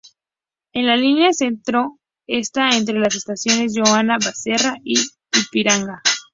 En la Línea Centro está entre las estaciones Joana Bezerra y Ipiranga.